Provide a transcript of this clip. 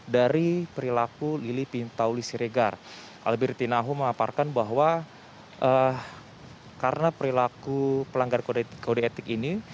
dari perilaku lili pintauli siregar alberti naho mengaparkan bahwa karena perilaku pelanggar kode etik ini